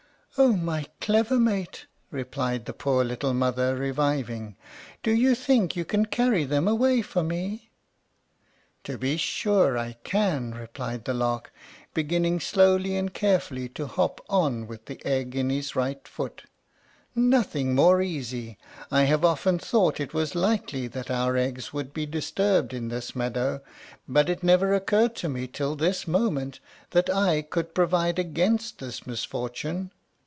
"Oh, my clever mate!" cried the poor little mother, reviving; "do you think you can carry them away for me?" "To be sure I can," replied the Lark, beginning slowly and carefully to hop on with the egg in his right foot; "nothing more easy. I have often thought it was likely that our eggs would be disturbed in this meadow; but it never occurred to me till this moment that I could provide against this misfortune.